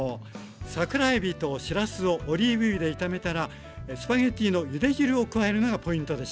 桜えびとしらすをオリーブ油で炒めたらスパゲッティのゆで汁を加えるのがポイントでした。